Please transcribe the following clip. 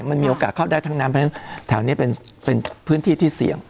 มันมีโอกาสเข้าได้ทั้งนั้นเพราะฉะนั้นแถวนี้เป็นพื้นที่ที่เสี่ยง